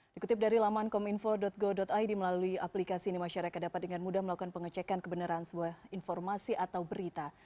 dikutip dari laman kominfo go id melalui aplikasi ini masyarakat dapat dengan mudah melakukan pengecekan kebenaran sebuah informasi atau berita